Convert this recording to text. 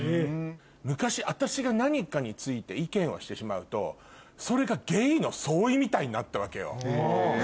昔私が何かについて意見をしてしまうとそれがゲイの総意みたいになったわけよ。